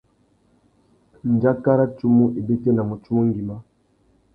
Ndjaka râ tsumu i bétēnamú tsumu ngüimá.